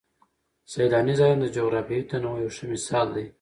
سیلاني ځایونه د جغرافیوي تنوع یو ښه مثال دی.